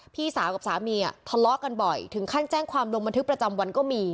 พี่สาวกับสามีทะเลาะกันบ่อยถึงขั้นแจ้งความลงบันทึกประจำวันก็มี